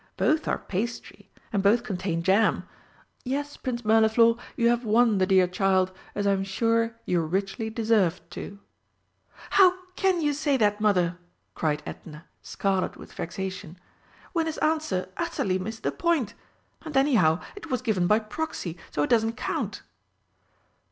"Both are pastry, and both contain jam. Yes, Prince Mirliflor, you have won the dear child, as I'm sure you richly deserved to!" "How can you say that, Mother?" cried Edna, scarlet with vexation. "When his answer utterly missed the point? And, anyhow, it was given by proxy, so it doesn't count!"